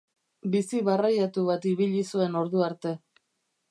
Bizi barreiatu bat ibili zuen orduarte.